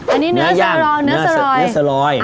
อันนี้เนื้อสลอยเนื้อสลอย